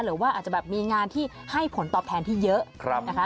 หรือว่าอาจจะแบบมีงานที่ให้ผลตอบแทนที่เยอะนะคะ